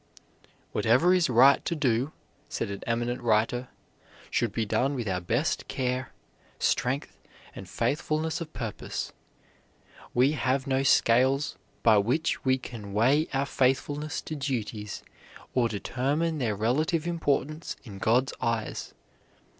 "Whatever is right to do," said an eminent writer, "should be done with our best care, strength, and faithfulness of purpose; we have no scales by which we can weigh our faithfulness to duties, or determine their relative importance in God's eyes.